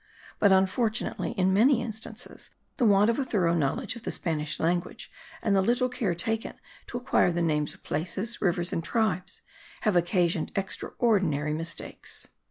But unfortunately, in many instances, the want of a thorough knowledge of the Spanish language and the little care taken to acquire the names of places, rivers and tribes, have occasioned extraordinary mistakes.